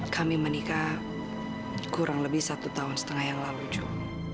kami menikah kurang lebih satu tahun setengah yang lalu jo